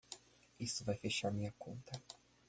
Isso vai fechar minha conta.